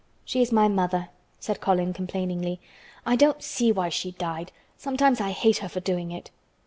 "She is my mother," said Colin complainingly. "I don't see why she died. Sometimes I hate her for doing it."